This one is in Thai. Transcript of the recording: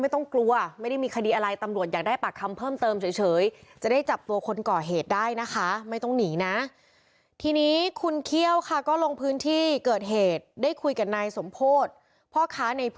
ตำรวจเขาบอกว่าไม่เกี่ยวนะ